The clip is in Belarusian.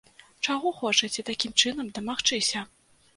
Чаго хочаце такім чынам дамагчыся?